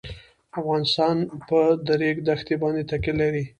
افغانستان په د ریګ دښتې باندې تکیه لري.